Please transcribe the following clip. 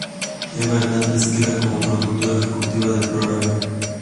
Eva Hernández queda como productora ejecutiva del programa.